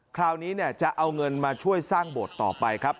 คราวนี้จะเอาเงินมาช่วยสร้างโบสถ์ต่อไปครับ